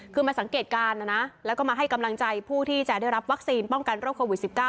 คือมาสังเกตการณ์นะนะแล้วก็มาให้กำลังใจผู้ที่จะได้รับวัคซีนป้องกันโรคโควิด๑๙